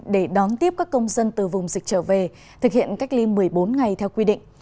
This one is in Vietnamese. để đón tiếp các công dân từ vùng dịch trở về thực hiện cách ly một mươi bốn ngày theo quy định